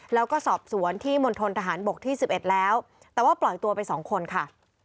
แล้วก็สอบสวนที่มณฑนทหารบกที่๑๑แล้วแต่ว่าปล่อยตัวไป๒คนค่ะ